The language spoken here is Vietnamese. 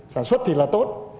sản xuất thì là tốt